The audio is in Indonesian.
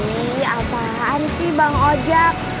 ih apaan sih bang ojak